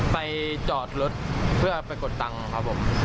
ไปจอดรถเพื่อไปกดตังค์ครับผม